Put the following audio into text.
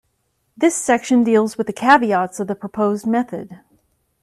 This section deals with the caveats of the proposed method.